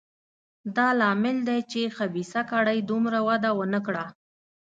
دا لامل دی چې خبیثه کړۍ دومره وده ونه کړه.